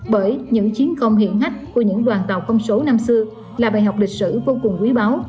bởi những chiến công hiện ngách của những đoàn tàu công số năm xưa là bài học lịch sử vô cùng quý báu